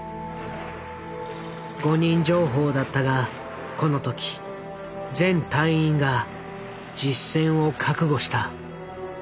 誤認情報だったがこの時全隊員が実戦を覚悟した。